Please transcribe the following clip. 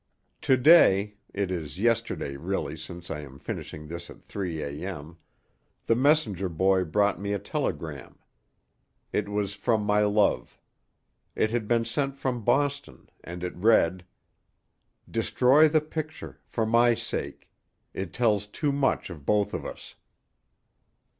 To day—it is yesterday really, since I am finishing this at three A. M.—the messenger boy brought me a telegram. It was from my love. It had been sent from Boston, and it read: "Destroy the picture, for my sake. It tells too much of both of us."